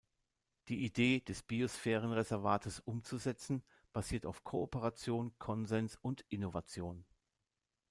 Die Idee des Biosphärenreservates umzusetzen, basiert auf Kooperation, Konsens und Innovation.